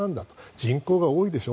人口が多いでしょ。